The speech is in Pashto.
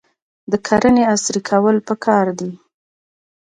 د کرنې عصري کول پکار دي.